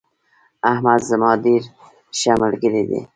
احمد زما ډیر ښه ملگرى دي